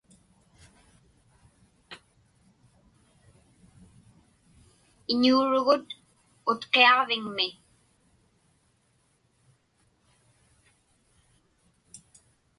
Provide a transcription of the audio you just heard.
Iñuurugut Utqiaġviŋmi.